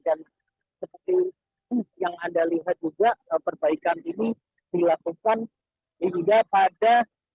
seperti yang anda lihat juga perbaikan ini dilakukan hingga pada